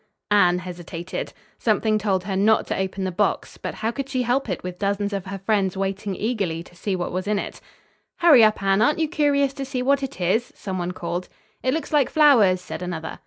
Anne hesitated. Something told her not to open the box, but how could she help it with dozens of her friends waiting eagerly to see what was in it? "Hurry up, Anne, aren't you curious to see what it is?" some one called. "It looks like flowers," said another.